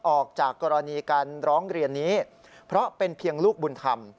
ออกจากกรณีการร้องเรียนนี้เพราะเป็นเพียงลูกบุญธรรม